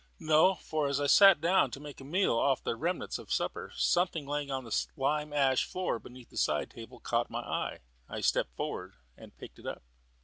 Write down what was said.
No; for as I sat down to make a meal off the remnants of supper, something lying on the lime ash floor beneath this side table caught my eye. I stepped forward and picked it up.